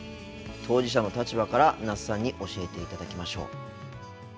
当事者の立場から那須さんに教えていただきましょう。